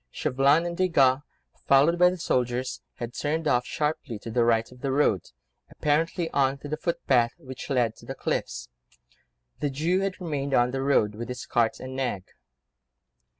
Chauvelin and Desgas, followed by the soldiers, had turned off sharply to the right of the road, apparently on to the footpath, which led to the cliffs. The Jew had remained on the road, with his cart and nag.